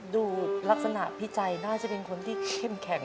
ดูลักษณะพี่ใจน่าจะเป็นคนที่เข้มแข็ง